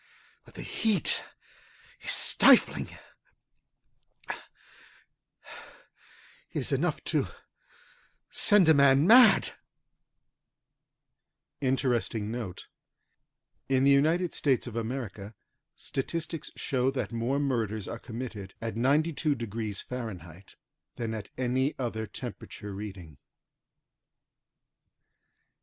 But the heat is stifling. It is enough to send a man mad. Interesting note: In the USA, statistics show that more murders are committed at 92║ fahrenheit than at any other temperature reading.